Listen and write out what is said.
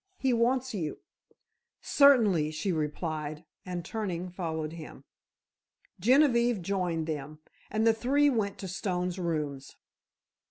He wants you." "Certainly," she replied, and turning, followed him. Genevieve joined them, and the three went to Stone's rooms.